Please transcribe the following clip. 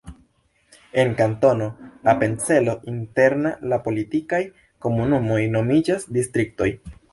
En Kantono Apencelo Interna la politikaj komunumoj nomiĝas distriktoj.